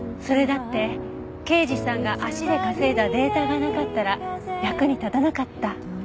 それだって刑事さんが足で稼いだデータがなかったら役に立たなかった。